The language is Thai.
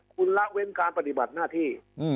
คุณละเว้นการปฏิบัติหน้าที่